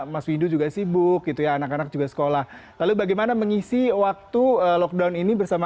mas windu juga sibuk gitu ya anak anak juga sekolah lalu bagaimana mengisi waktu lockdown ini bersama